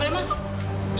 bu boleh masuk